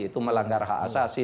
itu melanggar hak asasi